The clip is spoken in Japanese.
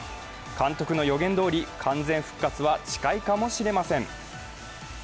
監督の予言どおり、完全復活は近いかもしれません。